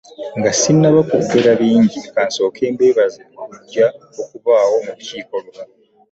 Nga sinnaba kwogera bingi ka nsooke mbeebaze okujja okubaawo mu lukiiko luno.